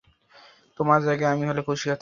তোমার জায়গায় আমি হলে খুশি হতাম।